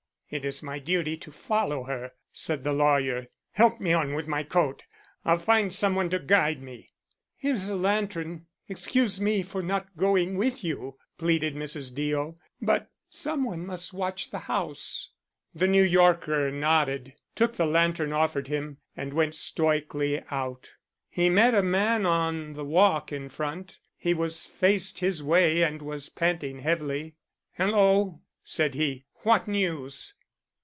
"It is my duty to follow her," said the lawyer. "Help me on with my coat; I'll find some one to guide me." "Here is a lantern. Excuse me for not going with you," pleaded Mrs. Deo, "but some one must watch the house." The New Yorker nodded, took the lantern offered him, and went stoically out. He met a man on the walk in front. He was faced his way and was panting heavily. "Hello," said he, "what news?"